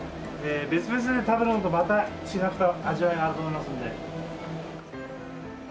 別々で食べるのとまた違った味わいがあると思いますので。